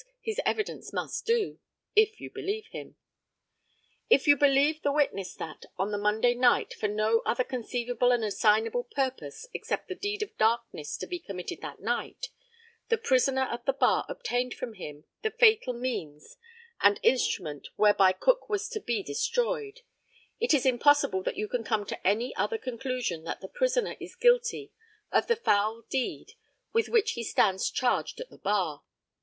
his evidence must do, if you believe him. If you believe the witness that, on the Monday night, for no other conceivable and assignable purpose except the deed of darkness to be committed that night, the prisoner at the bar obtained from him the fatal means and instrument whereby Cook was to be destroyed, it is impossible that you can come to any other conclusion than that the prisoner is guilty of the foul deed with which he stands charged at the bar.